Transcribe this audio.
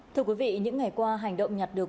thưa quý vị những ngày qua hành động nhặt được